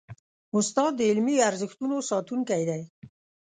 استاد د علمي ارزښتونو ساتونکی دی.